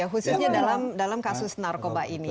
khususnya dalam kasus narkoba ini